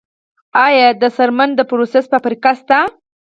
آیا د څرمنې د پروسس فابریکې شته؟